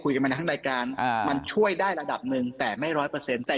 คุยกับมันในการมันช่วยได้ระดับหนึ่งแตะไม่ร้อยเปอร์เซ็นต์แต่